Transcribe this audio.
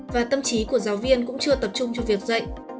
và tâm trí của giáo viên cũng chưa tập trung cho việc dạy